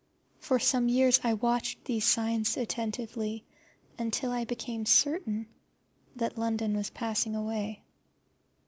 For some years I watched these signs attentively, until I became certain that London was passing away.